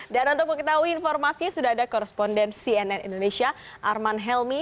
dan untuk mengetahui informasinya sudah ada koresponden cnn indonesia arman helmi